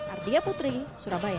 ardia putri surabaya